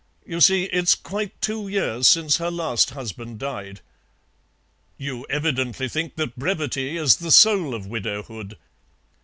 You see, it's quite two years since her last husband died." "You evidently think that brevity is the soul of widowhood."